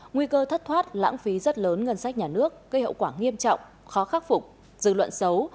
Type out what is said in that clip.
nguy cơ thất thoát lãng phí rất lớn ngân sách nhà nước gây hậu quả nghiêm trọng khó khắc phục dư luận xấu